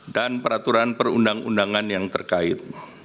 dan peraturan perundang undangan yang terkait